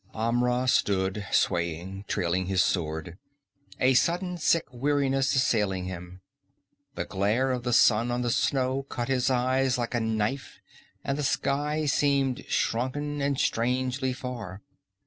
Amra stood swaying, trailing his sword, a sudden sick weariness assailing him. The glare of the sun on the snow cut his eyes like a knife and the sky seemed shrunken and strangely far.